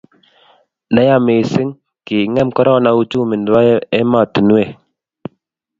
ne ya mising kingem korona uchumi nebo ematunwek